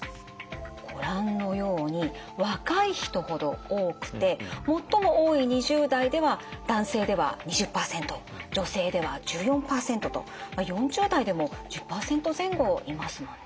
ご覧のように若い人ほど多くて最も多い２０代では男性では２０％女性では１４％と４０代でも１０％前後いますもんね。